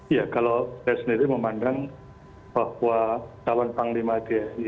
iya kalau saya sendiri memandang bahwa calon panglima tni itu adalah calon panglima tni yang terakhir